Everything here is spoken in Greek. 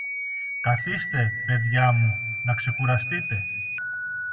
Καθήστε, παιδιά μου, να ξεκουραστείτε.